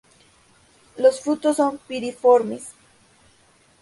Los frutos son piriformes.